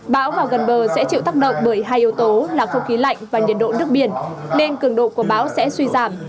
bão và gần bờ sẽ chịu tác động bởi hai yếu tố là không khí lạnh và nhiệt độ nước biển nên cường độ của bão sẽ suy giảm